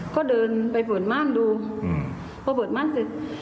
ก็เดินไปเปิดม่านดูพอเปิดม่านเสร็จ